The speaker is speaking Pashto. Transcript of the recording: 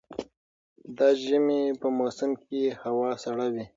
د ژمي په موسم کي هوا سړه وي